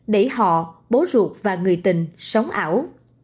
đẩy họ bố ruột và người tình sống ảo